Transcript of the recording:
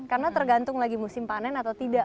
karena tergantung lagi musim panen atau tidak